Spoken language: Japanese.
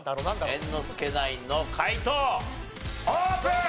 猿之助ナインの解答オープン！